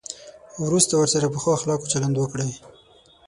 وروسته ورسره په ښو اخلاقو چلند وکړئ.